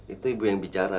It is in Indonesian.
itu ibu yang bicara